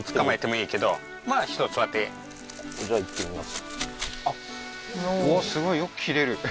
じゃあいってみます